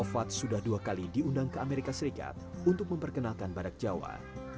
fad sudah dua kali diundang ke amerika serikat untuk memperkenalkan badak jawa